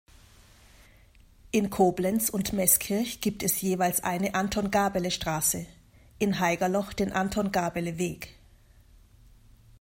In Koblenz und Meßkirch gibt es jeweils eine „Anton-Gabele-Straße“, in Haigerloch den „Anton-Gabele-Weg“.